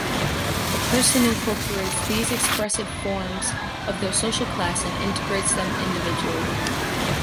The person incorporates the expressive forms of their social class and integrates them individually.